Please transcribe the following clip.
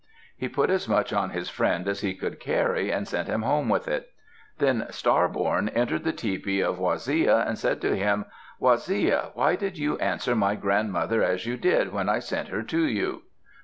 He put as much on his friend as he could carry, and sent him home with it; then Star born entered the tepee of Waziya, and said to him, "Waziya, why did you answer my grandmother as you did when I sent her to you?"